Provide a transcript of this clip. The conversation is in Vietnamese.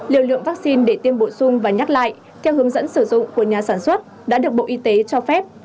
liều lượng vaccine để tiêm bổ sung và nhắc lại theo hướng dẫn sử dụng của nhà sản xuất đã được bộ y tế cho phép